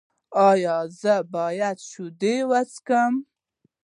ایا زه باید شیدې وڅښم؟